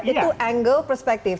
itu angle perspektif